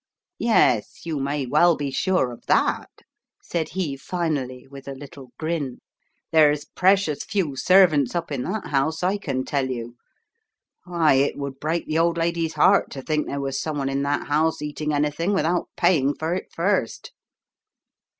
"Yes, you may well be sure of that, " said he finally In the Dark 2ft with a little grin. "There's precious few servants up in that house, I can tell you. Why, it would break the old lady's heart to think there was someone in that house eating anything without paying for it first."